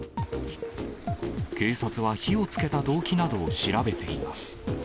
警察は火をつけた動機などを調べています。